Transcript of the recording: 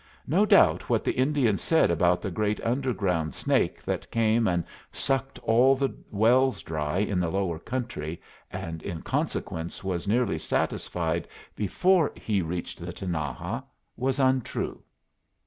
No doubt what the Indians said about the great underground snake that came and sucked all the wells dry in the lower country, and in consequence was nearly satisfied before he reached the Tinaja, was untrue.